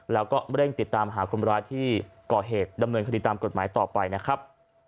แล้วก็เร่งติดตามหาคนร้ายที่ก่อเหตุดำเนินคดีตามกฎหมายต่อไปนะครับ